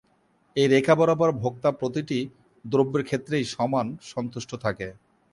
এই রেখা বরাবর ভোক্তা প্রতিটি দ্রব্যের ক্ষেত্রেই সমান সন্তুষ্ট থাকে।